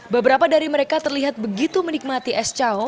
beberapa dari mereka terlihat begitu menikmati es cao